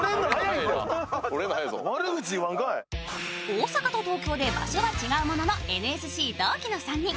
大阪と東京で場所は違うものの、ＮＳＣ同期の３人。